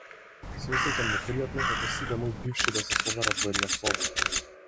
Се осеќам непријатно како сите мои бивши да се соберат во една соба.